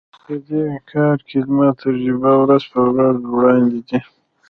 په دې کار کې زما تجربه ورځ په ورځ وړاندي ځي.